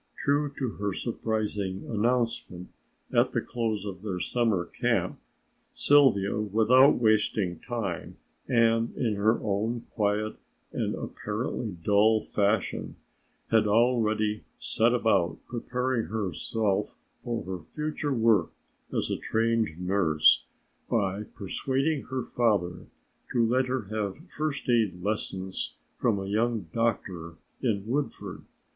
True to her surprising announcement at the close of their summer camp Sylvia, without wasting time, and in her own quiet and apparently dull fashion, had already set about preparing herself for her future work as a trained nurse by persuading her father to let her have first aid lessons from a young doctor in Woodford.